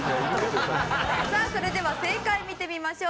それでは正解見てみましょう。